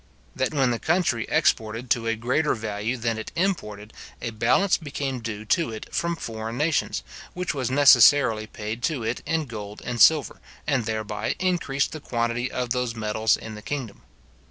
That when the country exported to a greater value than it imported, a balance became due to it from foreign nations, which was necessarily paid to it in gold and silver, and thereby increased the quantity of those metals in the kingdom.